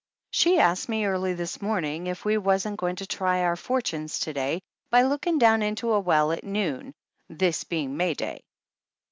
She asked me earty this morning if we wasn't going to try our fortunes to day by looking down into a well at noon, this being May Day.